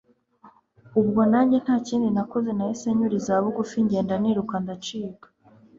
ubwo nanjye ntakindi nakoze nahise nyura izabugufi ngenda niruka ndacika